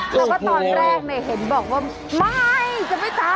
ตอนแรกเห็นบอกว่าไม่จะไม่ทำ